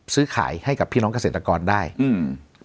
ซื้อขายให้กับพี่น้องเกษตรกรได้อืม